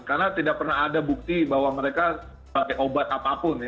karena tidak pernah ada bukti bahwa mereka pakai obat apapun ya